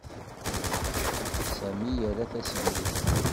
Sami ira tasegrit.